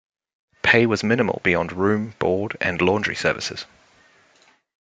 Pay was minimal beyond room, board, and laundry services.